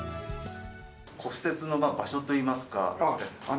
骨折の場所といいますか。